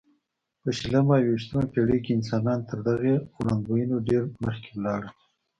په شلمه او یویشتمه پېړۍ کې انسانان تر دغې وړاندوینو ډېر مخکې ولاړل.